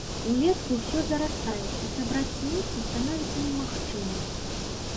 Улетку ўсё зарастае і сабраць смецце становіцца немагчымым.